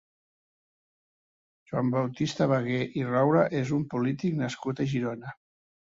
Joan Baptista Bagué i Roura és un polític nascut a Girona.